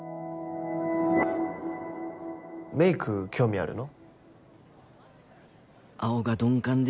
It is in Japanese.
メイク興味あるの？